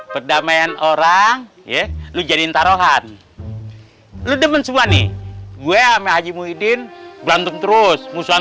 perdamaian orang ya lu jadi taruhan lu demen semua nih gue amir haji muhyiddin berantem terus musuhan